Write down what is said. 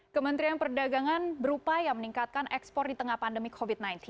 kementerian perdagangan berupaya meningkatkan ekspor di tengah pandemi covid sembilan belas